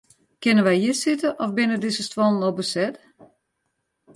Kinne wy hjir sitte of binne dizze stuollen al beset?